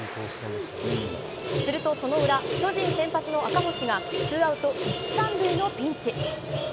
するとその裏、巨人先発の赤星が、ツーアウト１、３塁のピンチ。